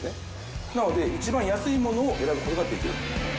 なので一番安いものを選ぶことができる。